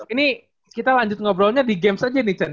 ini kita lanjut ngobrolnya di games aja nih chen